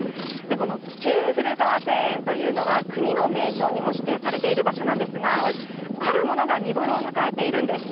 この旧古河庭園というのは、国の名勝にも指定されている場所なんですが、あるものが見頃を迎えているんです。